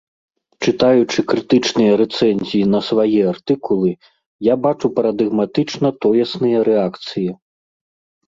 Чытаючы крытычныя рэцэнзіі на свае артыкулы, я бачу парадыгматычна тоесныя рэакцыі.